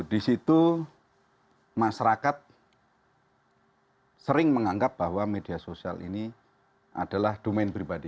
di situ masyarakat sering menganggap bahwa media sosial ini adalah domain pribadi